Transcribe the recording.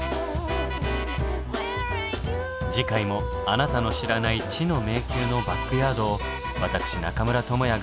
次回もあなたの知らない知の迷宮のバックヤードを私中村倫也がご案内いたします。